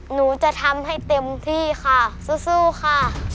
หนูจะทำให้เต็มที่ค่ะสู้ค่ะ